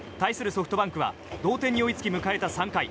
ソフトバンクは同点に追いつき、迎えた３回。